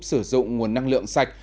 sử dụng nguồn năng lượng sạch